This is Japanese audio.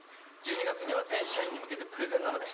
１２月には全社員に向けてプレゼンなので。